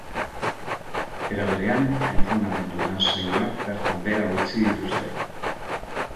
Era berean, entrenamendu lan saioak bertan behera utzi dituzte.